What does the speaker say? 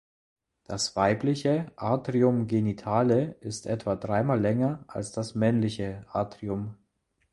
Das weibliche Atrium genitale ist etwa dreimal länger als das männliche Atrium.